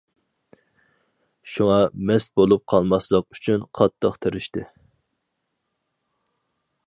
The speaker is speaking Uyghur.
شۇڭا مەست بولۇپ قالماسلىق ئۈچۈن قاتتىق تىرىشتى.